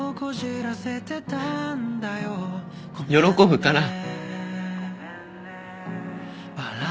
喜ぶから。